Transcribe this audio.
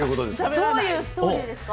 どういうストーリーですか。